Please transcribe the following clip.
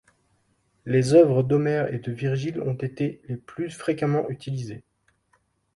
Les œuvres d'Homère et de Virgile ont été les plus fréquemment utilisées.